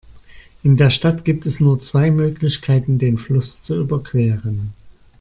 In der Stadt gibt es nur zwei Möglichkeiten, den Fluss zu überqueren.